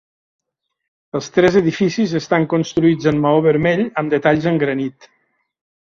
Els tres edificis estan construïts en maó vermell amb detalls en granit.